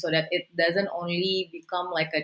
agar tidak hanya menjadi kotak tanda